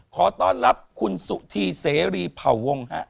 ขอต้อนรับคุณสุธีเสรีเผ่าวงฮะ